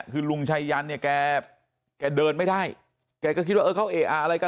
คือลุงชัยยันเนี่ยแกเดินไม่ได้แกก็คิดว่าเออเขาเอะอะอะไรกัน